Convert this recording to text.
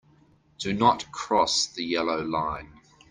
Do not cross the yellow line.